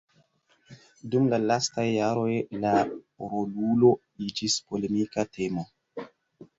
Dum la lastaj jaroj, la rolulo iĝis polemika temo.